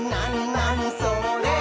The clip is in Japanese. なにそれ？」